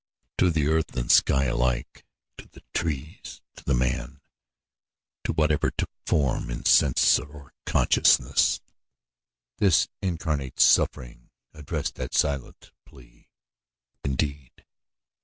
To the earth and the sky alike, to the trees, to the man, to whatever took form in sense or consciousness, this incarnate suffering addressed that silent plea. For what, indeed?